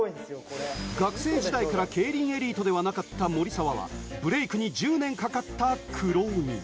学生時代から競輪エリートではなかった守澤はブレイクに１０年かかった苦労人。